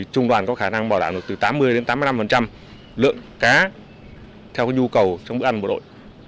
trung đoàn có khả năng bảo đảm được từ tám mươi đến tám mươi năm lượng cá theo nhu cầu trong bữa ăn của đội